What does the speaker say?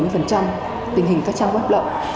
tình hình các trang web lộng